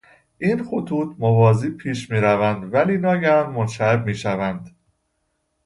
این خطوط موازی پیش میروند ولی ناگهان منشعب میشوند.